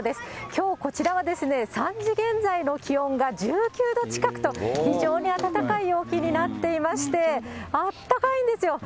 きょうこちらは３時現在の気温が１９度近くと、非常に暖かい陽気になっていまして、あったかいんですよ。